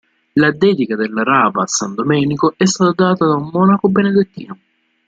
La dedica della Rava a San Domenico è stata data da un monaco benedettino.